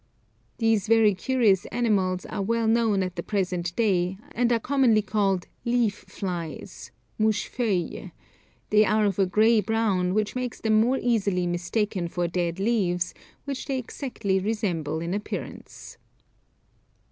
These very curious animals are well known at the present day, and are commonly called leaf flies (mouches feuille); they are of a grey brown, which makes them more easily mistaken for dead leaves, which they exactly resemble in appearance.